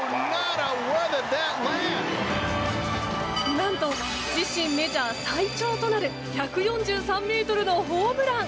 何と自身メジャー最長となる１４３ｍのホームラン！